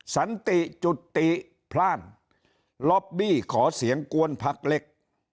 สันติจุติพล่านล็อบบี้ขอเสียงกวนพักเล็ก